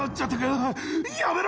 やめろ！